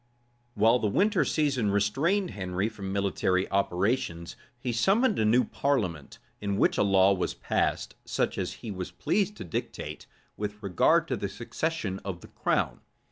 {1544.} While the winter season restrained Henry from military operations, he summoned a new parliament, in which a law was passed, such as he was pleased to dictate, with regard to the succession of the crown.